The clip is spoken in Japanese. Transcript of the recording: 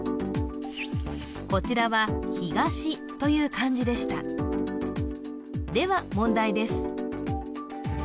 こちらは「東」という漢字でしたでは問題です